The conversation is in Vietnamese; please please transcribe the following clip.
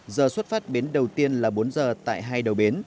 giờ xuất phát bến đầu tiên là bốn giờ tại hai đầu bến